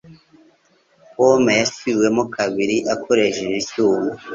Pome yaciwemo kabiri akoresheje icyuma.